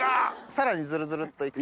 さらにずるずるっと行くと。